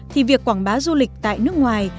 thì việc quảng bá du lịch tại nước ngoài